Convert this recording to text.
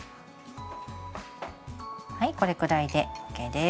はいこれくらいでＯＫです。